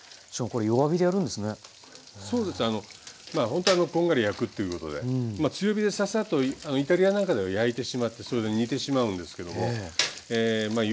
ほんとこんがり焼くっていうことで強火でサッサッとイタリアなんかでは焼いてしまってそれで煮てしまうんですけどもえまあ